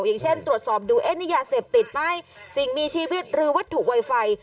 อย่างเช่นตรวจสอบดูเอ๊ะนี่ยาเสพติดไหมสิ่งมีชีวิตหรือวัตถุไวไฟ